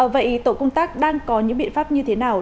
vậy tổ công tác đang có những biện pháp như thế nào